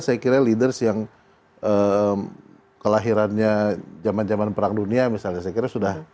saya kira leaders yang kelahirannya zaman zaman perang dunia misalnya